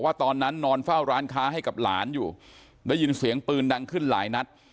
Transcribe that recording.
ตอนนั้นนอนเฝ้าร้านค้าให้กับหลานอยู่ได้ยินเสียงปืนดังขึ้นหลายนัด